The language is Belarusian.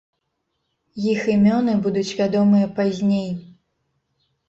Іх імёны будуць вядомыя пазней.